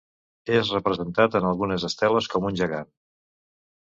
És representat en algunes esteles com un gegant.